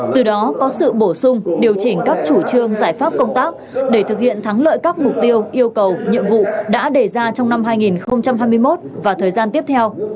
từ đó có sự bổ sung điều chỉnh các chủ trương giải pháp công tác để thực hiện thắng lợi các mục tiêu yêu cầu nhiệm vụ đã đề ra trong năm hai nghìn hai mươi một và thời gian tiếp theo